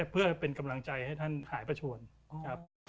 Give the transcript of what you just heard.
เพื่อเป็นกำลังใจให้ท่านหายประชวนครับ